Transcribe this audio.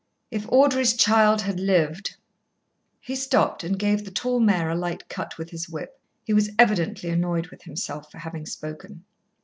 If Audrey's child had lived " He stopped and gave the tall mare a light cut with his whip. He was evidently annoyed with himself for having spoken.